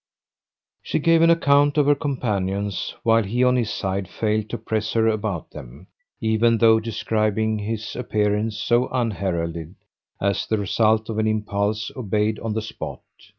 She gave an account of her companions while he on his side failed to press her about them, even though describing his appearance, so unheralded, as the result of an impulse obeyed on the spot.